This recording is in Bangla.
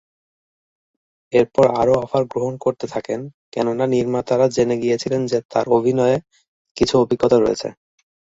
এরপর আরও অফার গ্রহণ করতে থাকেন, কেননা নির্মাতারা জেনে গিয়েছিল যে, তার অভিনয়ের কিছু অভিজ্ঞতা রয়েছে।